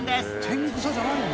天草じゃないんだ。